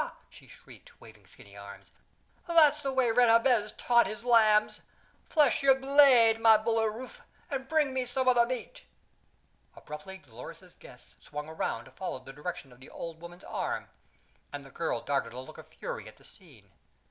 she shrieked, waving skinny arms. "That's the way Red Jabez taught his lambs! Flesh your blade, my bully Rufe, and bring me some of the meat!" Abruptly Dolores's guests swung around to follow the direction of the old woman's arm, and the girl darted a look of fury at the scene.